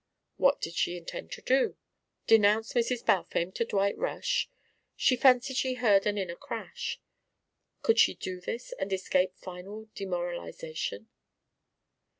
What did she intend to do? Denounce Mrs. Balfame to Dwight Rush? She fancied she heard an inner crash. Could she do this and escape final demoralisation?